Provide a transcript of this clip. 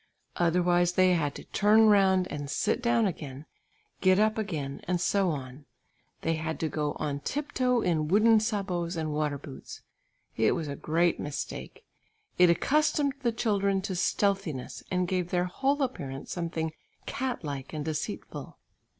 Otherwise they had to turn round and sit down again, get up again and so on. They had to go on tip toe in wooden sabots and water boots. It was a great mistake; it accustomed the children to stealthiness and gave their whole appearance something cat like and deceitful.